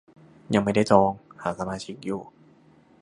ยังไม่ได้จอง หาสมาชิกอยู่